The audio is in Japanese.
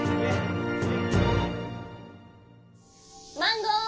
マンゴー！